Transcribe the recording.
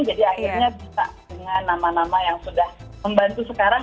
jadi akhirnya bisa dengan nama nama yang sudah membantu sekarang